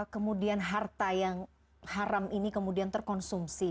kemudian harta yang haram ini kemudian terkonsumsi